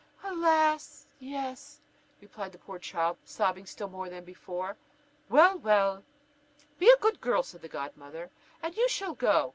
"Alas! yes," replied the poor child, sobbing still more than before. "Well, well, be a good girl," said the godmother, "and you shall go."